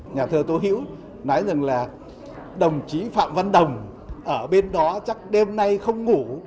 nhà thơ tôi hiểu nói rằng là đồng chí phạm văn đồng ở bên đó chắc đêm nay không ngủ